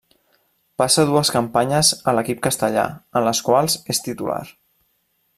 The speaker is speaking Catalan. Passa dues campanyes a l'equip castellà, en les quals és titular.